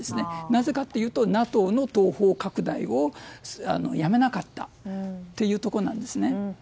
なぜかというとＮＡＴＯの東方拡大をやめなかったというところなんですね。